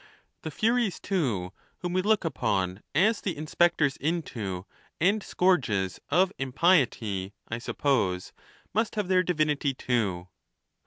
The Furies, too, whom we look upon as the in spectors into and scourges of impiety, I suppose, must have their divinity too.